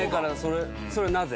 それはなぜ？